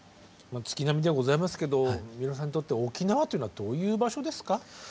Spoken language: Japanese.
月並みではございますけど三浦さんにとって沖縄というのはどういう場所ですか？